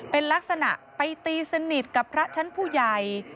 เป็นลักษณะไปตีสนิทกับพระชั้นผู้ใหญ่